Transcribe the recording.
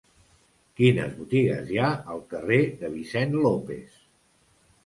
Quines botigues hi ha al carrer de Vicent López?